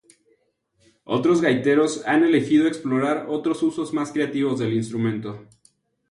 Otros gaiteros han elegido explorar otros usos más creativos del instrumento.